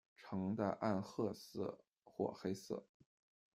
呈的暗褐色或黑色。